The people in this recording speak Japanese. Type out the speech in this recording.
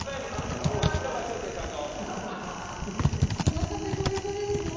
おなかペコペコですもう。